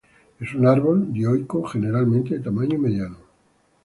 Es un árbol, dioico, generalmente de tamaño mediano.